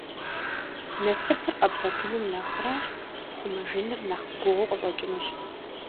Насыпыр къэбгъуэтыным нэхърэ пхъумэжыныр нэхъ гугъуу къыщӀэкӀынущ.